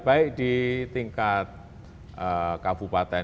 baik di tingkat kabupaten